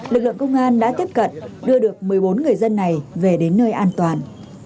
lực lượng công an đã tiếp cận đưa được một mươi bốn người dân này về đến nơi an toàn